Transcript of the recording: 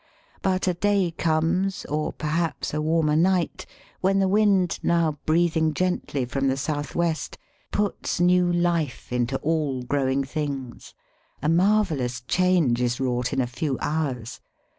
But a day comes, or, perhaps, a warmer night, when the wind, now breathing gently from the south west, puts new life into all growing things. A marvellous change is wrought in a few hours.